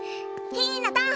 ひなた！